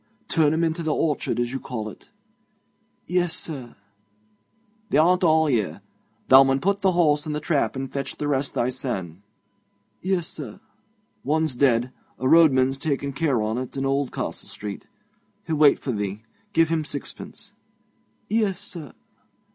'Turn 'em into th' orchard, as you call it.' 'Yes, sir.' 'They aren't all here. Thou mun put th' horse in the trap and fetch the rest thysen.' 'Yes, sir.' 'One's dead. A roadman's takkin' care on it in Oldcastle Street. He'll wait for thee. Give him sixpence.' 'Yes, sir.'